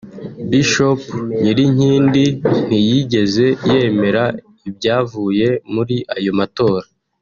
Bishop Nyirinkindi ntiyigeze yemera ibyavuye muri ayo matora